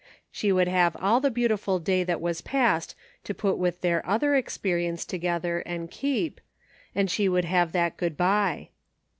She would have all the beautiful day that was post to put with their other experience together and keep, and she would have that good bye.